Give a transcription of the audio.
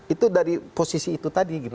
itu dari posisi itu tadi